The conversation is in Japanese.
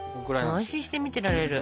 安心して見てられる。